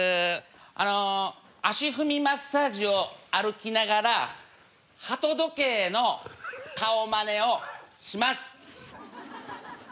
あの足踏みマッサージを歩きながら鳩時計の顔マネをします。